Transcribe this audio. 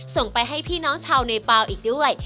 ส่งไปให้พี่น้องชาวเนเปล่าอีกด้วย